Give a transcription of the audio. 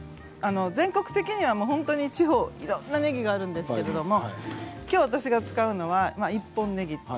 全国的には本当に地方いろんなねぎがあるんですけれどもきょう私が使うのは１本ねぎ。